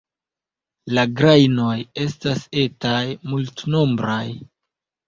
La grajnoj estas etaj, multnombraj.